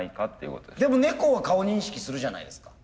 でも猫は顔認識するじゃないですか。